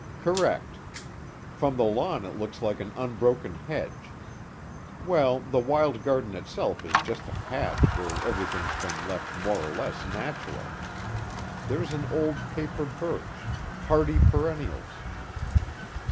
"Correct. From the lawn it looks like an unbroken hedge. Well, the wild garden itself is just a patch where everything's been left more or less natural. There's an old paper birch. Hardy perennials."